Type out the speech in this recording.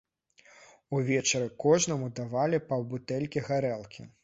Увечары кожнаму давалі паўбутэлькі гарэлкі.